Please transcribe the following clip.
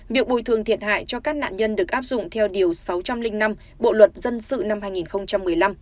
việc bồi thường thiệt hại cho các nạn nhân được áp dụng theo điều sáu trăm linh năm bộ luật dân sự năm hai nghìn một mươi năm